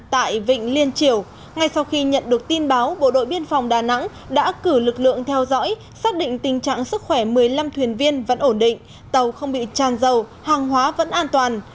tại vịnh liên triều ngay sau khi nhận được tin báo bộ đội biên phòng đà nẵng đã cử lực lượng theo dõi xác định tình trạng sức khỏe một mươi năm thuyền viên vẫn ổn định tàu không bị tràn dầu hàng hóa vẫn an toàn